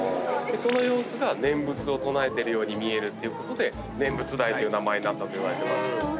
その様子が念仏を唱えてるように見えるっていうことでネンブツダイという名前になったといわれてます。